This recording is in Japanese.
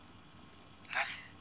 何？